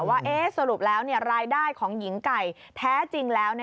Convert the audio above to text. ว่าสรุปแล้วรายได้ของหญิงไก่แท้จริงแล้ว